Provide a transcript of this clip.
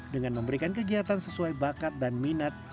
dengan memberikan kegiatan sesuai bakat dan kemampuan anak